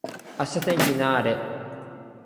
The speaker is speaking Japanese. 明日天気にな～れ。